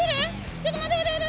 ちょっと待て待て待て。